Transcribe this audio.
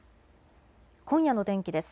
今夜の天気です。